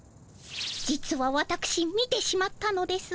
実はわたくし見てしまったのです。